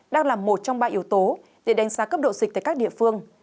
đang là một trong ba yếu tố để đánh giá cấp độ dịch tại các địa phương